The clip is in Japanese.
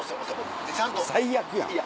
最悪やん。